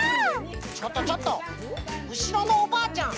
ちょっとちょっとうしろのおばあちゃん